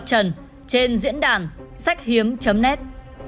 trên diễn đàn sách hiếm net